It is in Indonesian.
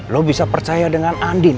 lo bisa percaya dengan andin